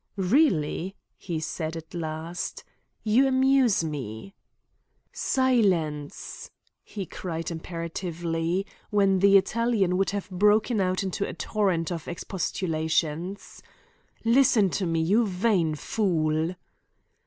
"Really," he said at last, "you amuse me." "Silence!" he cried imperatively, when the Italian would have broken out into a torrent of expostulations. "Listen to me, you vain fool!"